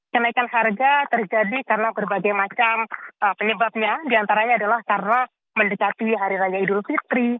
kenaikan harga terjadi karena berbagai macam penyebabnya diantaranya adalah karena mendekati hari raya idul fitri